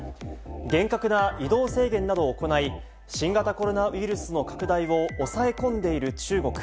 厳格な移動制限などを行い、新型コロナウイルスの拡大を抑え込んでいる中国。